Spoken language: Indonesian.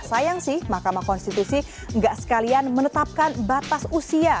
sayang sih mahkamah konstitusi nggak sekalian menetapkan batas usia